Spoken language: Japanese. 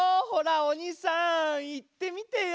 おにさん言ってみてよ。